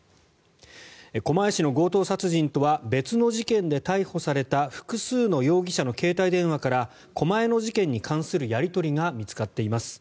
狛江市の強盗殺人とは別の事件で逮捕された複数の容疑者の携帯電話から狛江の事件に関するやり取りが見つかっています。